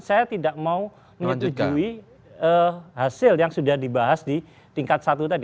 saya tidak mau menyetujui hasil yang sudah dibahas di tingkat satu tadi